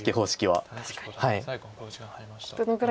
はい。